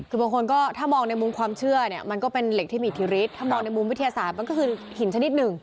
คือบางคนก็ถ้ามองในมุมความเชื่อเนี่ยมันก็เป็นเหล็กที่มีอิทธิฤทธถ้ามองในมุมวิทยาศาสตร์มันก็คือหินชนิดหนึ่ง